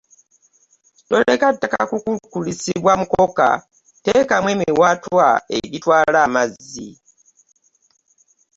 Toleka ttaka kukulukusibwa mukoka teekamu emiwaatwa egitwala amazzi.